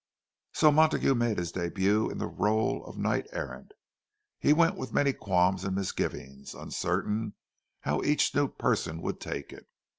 So Montague made his début in the rôle of knight errant. He went with many qualms and misgivings, uncertain how each new person would take it.